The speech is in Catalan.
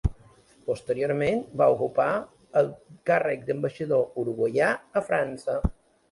Posteriorment va ocupar el càrrec d'ambaixador uruguaià a França.